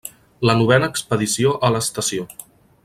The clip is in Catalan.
La novena expedició a l'estació.